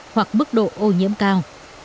hoặc mức độ ô nhiễm cao